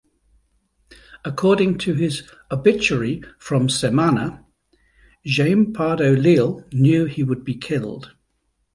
According to his obituary from Semana, Jaime Pardo Leal knew he would be killed.